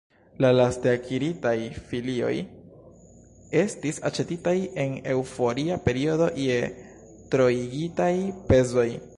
La laste akiritaj filioj estis aĉetitaj en eŭforia periodo je troigitaj prezoj.